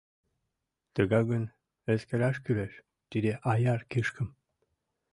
Тыгак гын, эскераш кӱлеш тиде аяр кишкым.